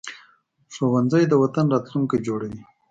ښوونځی د وطن راتلونکی جوړوي